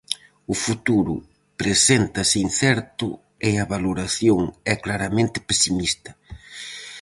O futuro preséntase incerto e a valoración é claramente pesimista.